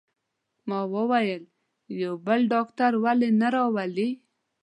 ما وویل: یو بل ډاکټر ولې نه راولئ؟